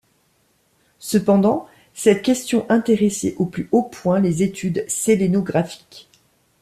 Cependant, cette question intéressait au plus haut point les études sélénographiques.